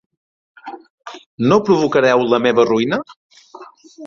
No provocareu la meva ruïna?